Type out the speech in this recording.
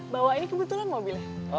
bawa ini kebetulan mobilnya